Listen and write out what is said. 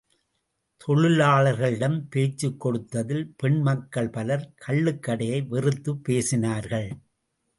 தொழிலாளர்களிடம் பேச்சுக் கொடுத்ததில் பெண் மக்கள் பலர் கள்ளுக் கடையை வெறுத்துப் பேசினார்கள்.